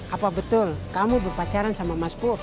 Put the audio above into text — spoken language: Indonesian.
apa betul kamu berpacaran sama mas pu